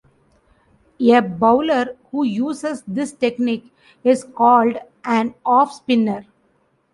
A bowler who uses this technique is called an off spinner.